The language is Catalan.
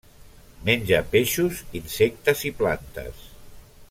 Menja peixos, insectes i plantes.